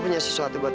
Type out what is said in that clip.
sebenarnya apa fah